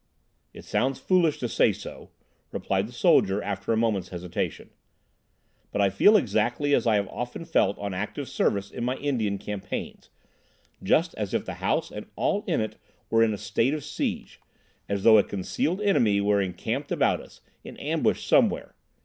"It sounds foolish to say so," replied the soldier, after a moment's hesitation, "but I feel exactly as I have often felt on active service in my Indian campaigns: just as if the house and all in it were in a state of siege; as though a concealed enemy were encamped about us—in ambush somewhere."